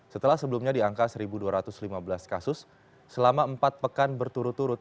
setelah sebelumnya di angka satu dua ratus lima belas kasus selama empat pekan berturut turut